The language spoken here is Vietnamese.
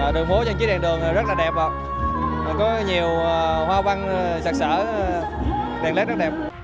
đường phố trang trí đèn đường rất đẹp có nhiều hoa băng sạc sở đèn led rất đẹp